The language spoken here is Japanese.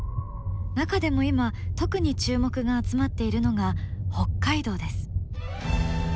中でも今特に注目が集まっているのが北海道です。